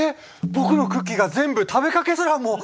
僕のクッキーが全部食べかけすらも。